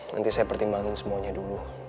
nanti saya pertimbangkan semuanya dulu